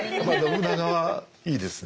信長はいいですね。